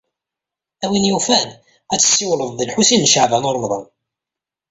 A win yufan, ad tessiwleḍ ed Lḥusin n Caɛban u Ṛemḍan.